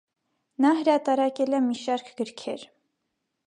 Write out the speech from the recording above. Նա հրատարակել է մի շարք գրքեք։